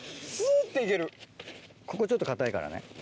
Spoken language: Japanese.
ここちょっと硬いからね。